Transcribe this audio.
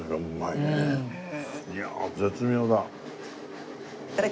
いやあ絶妙だ。